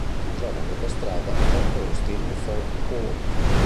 Si trova a metà strada tra Austin e Fort Worth.